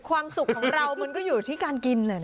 ความสุขของเรามันก็อยู่ที่การกินเลยนะ